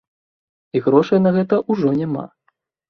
І грошай на гэта ўжо няма.